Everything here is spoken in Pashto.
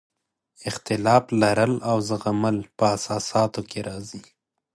اختلاف لرل او زغمل په اساساتو کې راځي.